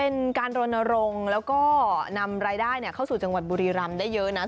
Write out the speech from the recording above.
เป็นการรณรงค์แล้วก็นำรายได้เข้าสู่จังหวัดบุรีรำได้เยอะนะ